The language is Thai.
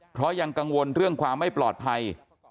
เพราะยังกังวลเรื่องความไม่ปลอดภัย